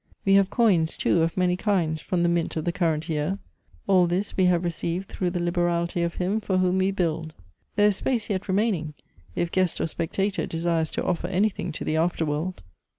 We have coins too of many kinds, from the mint of the cuirent year. All this we have received through the liberality of him for whom we build. There is space yet remaining, if guest or specta tor desires to offer anything to the after world